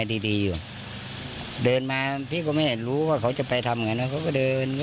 มีพี่เขามีพิรุษไหมวันนี้สังคม